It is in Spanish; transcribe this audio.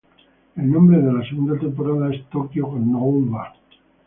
El nombre de la segunda temporada es "Tokyo Ghoul √A".